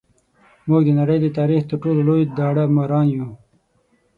موږ د نړۍ د تاریخ تر ټولو لوی داړه ماران یو.